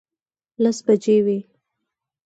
لس بجې وې.